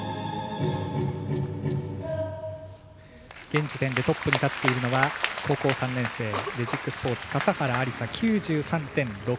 現時点でトップに立っているのは高校３年生、レジックスポーツの笠原有彩。９３．６６４。